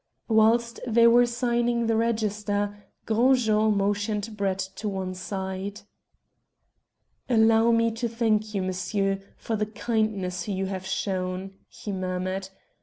Whilst they were signing the register Gros Jean motioned Brett to one side. "Allow me to thank you, M'sieu', for the kindness you have shown," he murmured.